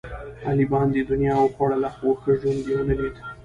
علي باندې دنیا وخوړله، خو ښه ژوند یې ونه لیدا.